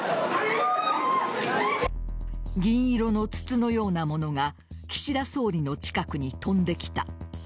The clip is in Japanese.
銀色の筒のようなものが岸田総理の近くに飛んできた。